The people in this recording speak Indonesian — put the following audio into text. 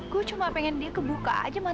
kirain udah berubah